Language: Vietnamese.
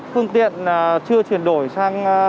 phương tiện chưa chuyển đổi sang